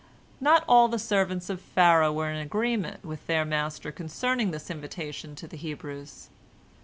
Not all the servants of Pharaoh were in agreement with their master concerning this invitation to the Hebrews.